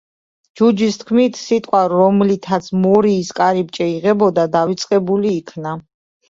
ჯუჯის თქმით, სიტყვა, რომლითაც მორიის კარიბჭე იღებოდა დავიწყებული იქნა.